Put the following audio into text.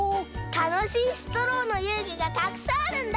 たのしいストローのゆうぐがたくさんあるんだ！